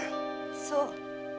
そう。